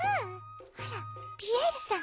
あらピエールさん。